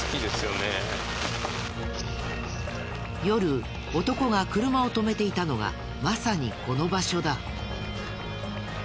夜男が車を止めていたのがまさにこの場所だ。